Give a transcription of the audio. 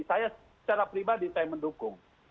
saya secara pribadi saya mendukung